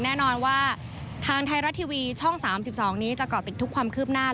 แน่นอนว่าทางไทยรัฐทีวีช่อง๓๒นี้จะเกาะติดทุกความคืบหน้า